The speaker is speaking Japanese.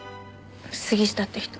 杉下って人。